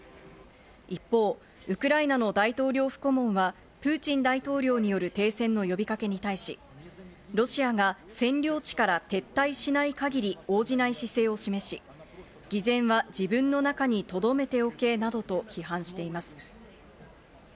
一方、ウクライナの大統領府顧問は、プーチン大統領による停戦の呼びかけに対し、ロシアが占領地から撤退しない限り応じない姿勢を示し、偽善は自分の中に留めておけなどと批判しています。